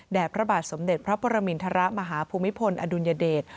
พระบาทสมเด็จพระปรมินทรมาฮภูมิพลอดุลยเดช